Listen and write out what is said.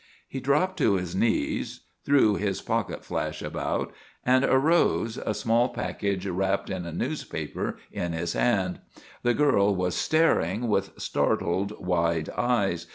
He dropped to his knees, threw his pocket flash about, and arose, a small package wrapped in a newspaper in his hand. The girl was staring with startled, wide eyes.